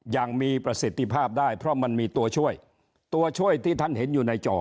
อย่างมีประสิทธิภาพได้เพราะมันมีตัวช่วยตัวช่วยที่ท่านเห็นอยู่ในจอ